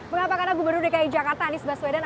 mengapa karena gubernur dki jakarta anies baswedan